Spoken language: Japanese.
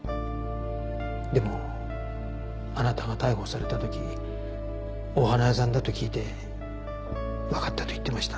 でもあなたが逮捕された時お花屋さんだと聞いてわかったと言っていました。